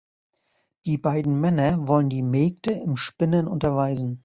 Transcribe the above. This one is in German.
Die beiden Männer wollen die Mägde im Spinnen unterweisen.